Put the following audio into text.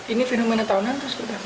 ini fenomena tahunan itu sebenarnya